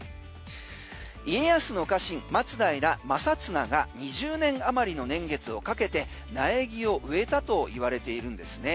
家康の家臣、松平正綱が２０年余りの年月をかけて苗木を植えたと言われているんですね。